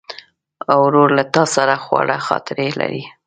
ورور له تا سره خواږه خاطرې لري.